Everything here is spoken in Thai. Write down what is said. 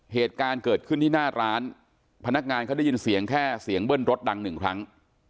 เหตุการณ์เกิดขึ้นที่หน้าร้านพนักงานเขาได้ยินเสียงแค่เสียงเบิ้ลรถดังหนึ่งครั้ง